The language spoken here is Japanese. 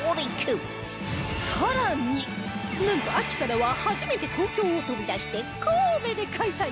更になんと秋からは初めて東京を飛び出して神戸で開催